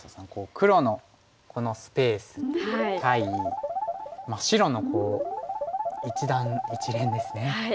黒のこのスペース対白の一団一連ですね。